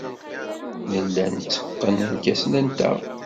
Nella netteqqen irkasen-nteɣ.